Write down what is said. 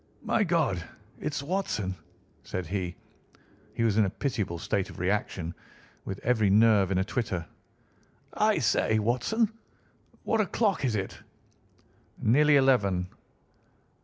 "My God! It's Watson," said he. He was in a pitiable state of reaction, with every nerve in a twitter. "I say, Watson, what o'clock is it?" "Nearly eleven."